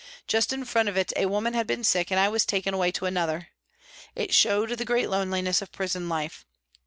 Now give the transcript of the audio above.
Just in front of it a woman had been sick, and I was taken away to another. It showed the great loneliness of prison life.